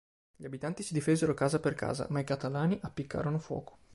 Gli abitanti si difesero casa per casa, ma i catalani appiccarono fuoco.